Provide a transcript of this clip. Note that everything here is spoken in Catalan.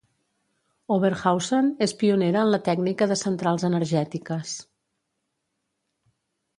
Oberhausen és pionera en la tècnica de centrals energètiques.